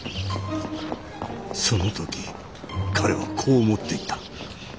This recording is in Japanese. その時彼はこう思っていた。